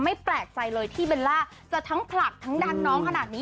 แปลกใจเลยที่เบลล่าจะทั้งผลักทั้งดันน้องขนาดนี้